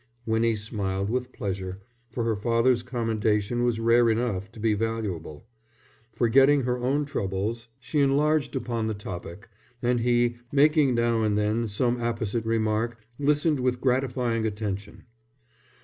Winnie smiled with pleasure, for her father's commendation was rare enough to be valuable. Forgetting her own troubles, she enlarged upon the topic; and he, making now and then some apposite remark, listened with gratifying attention.